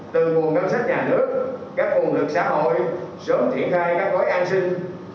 từ nguồn ngân sách nhà nước các nguồn lực xã hội sớm triển khai các gói an sinh